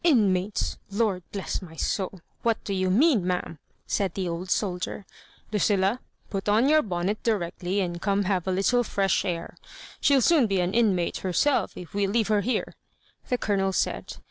"Inmates! Lord bless my soul I what do you mean, ma'am ?" said the old soldier. '* Lucilla, put on your bonnet directly, and come and have a little fresh air. She'll soon be an inmate herself if we leave her h^re," the Colonel said.